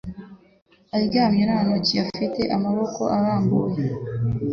aryamye nta ntoki afite amaboko arambuye